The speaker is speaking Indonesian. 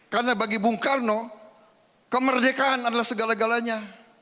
karena bagi bung karno kemerdekaan adalah segala galanya